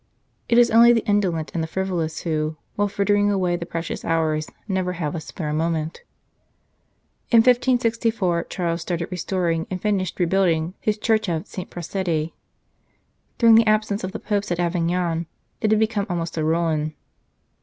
It is only the indolent and the frivolous who, while frittering away the precious hours, never have a spare moment. In 1564 Charles started restoring and finished rebuilding his church of St. Prassede. During the absence of the Popes at Avignon it had become almost a ruin.